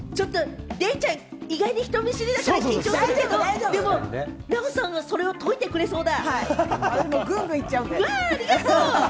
デイちゃん、意外と人見知りだから緊張するけど、でもナヲさんがそれを解いてくれそうだ。